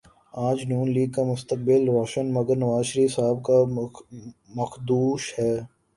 آج نون لیگ کا مستقبل روشن مگر نوازشریف صاحب کا مخدوش ہے